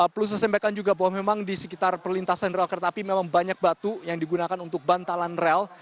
perlu saya sampaikan juga bahwa memang di sekitar perlintasan rel kereta api memang banyak batu yang digunakan untuk bantalan rel